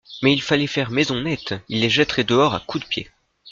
Mais il allait faire maison nette, il les jetterait dehors à coups de pied.